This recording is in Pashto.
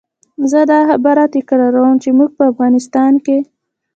زه دا خبره تکراروم چې موږ په افغانستان کې.